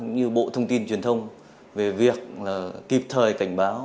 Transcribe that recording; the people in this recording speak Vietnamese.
như bộ thông tin truyền thông về việc kịp thời cảnh báo